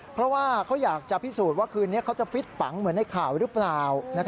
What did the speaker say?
เพราะว่าเขาอยากจะพิสูจน์ว่าคืนนี้เขาจะฟิตปังเหมือนในข่าวหรือเปล่า